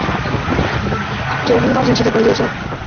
কেউ কি ইমার্জেন্সিতে কল দিয়েছো?